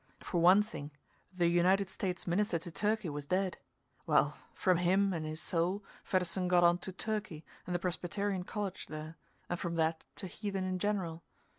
For one thing, the United States minister to Turkey was dead. Well, from him and his soul, Fedderson got on to Turkey and the Presbyterian college there, and from that to heathen in general.